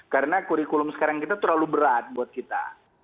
karena kurikulum sekarang kita terlalu berat buat kita